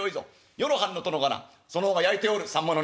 余の藩の殿がなその方が焼いておるさんまの匂い